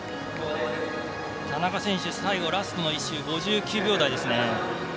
田中選手、最後ラスト１周５９秒台ですね。